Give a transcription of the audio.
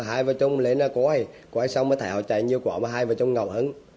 hai vợ chồng lên là cô ấy cô ấy xong mới thấy họ chạy như quả mà hai vợ chồng ngầu hứng